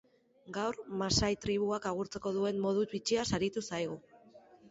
Gaur masai tribuak agurtzeko duen modu bitxiaz aritu zaigu.